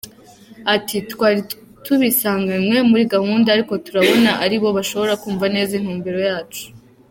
Ati “Twari tubisanganywe muri gahunda, ariko turabona ari bo bashobora kumva neza intumbero yacu.